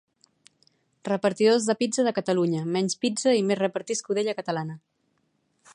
Repartidors de pizza a Catalunya menys pizza i més repartir escudella catalana